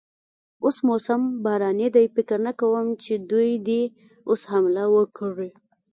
اوس موسم باراني دی، فکر نه کوم چې دوی دې اوس حمله وکړي.